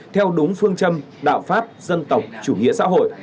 theo đúng phương châm đạo pháp dân tộc chủ nghĩa xã hội